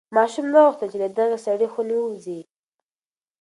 ماشوم نه غوښتل چې له دغې سړې خونې ووځي.